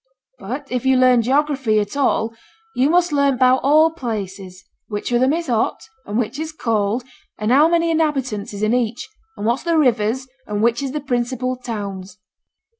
'But if you learn geography at all, you must learn 'bout all places: which of them is hot, and which is cold, and how many inhabitants is in each, and what's the rivers, and which is the principal towns.'